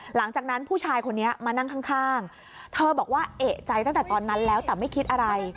หลังจากนั้นผู้ชายคนนี้มานั่งข้างเธอบอกว่าเอกใจตั้งแต่ตอนนั้นแล้วแต่ไม่คิดอะไร